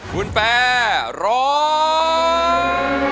คุณแฟร์ร้อง